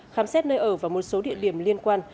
khám xét nơi ở và một số địa điểm liên quan